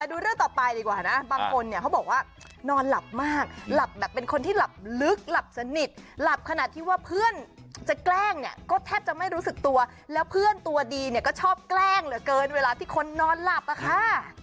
ดูเรื่องต่อไปดีกว่านะบางคนเนี่ยเขาบอกว่านอนหลับมากหลับแบบเป็นคนที่หลับลึกหลับสนิทหลับขนาดที่ว่าเพื่อนจะแกล้งเนี่ยก็แทบจะไม่รู้สึกตัวแล้วเพื่อนตัวดีเนี่ยก็ชอบแกล้งเหลือเกินเวลาที่คนนอนหลับอะค่ะ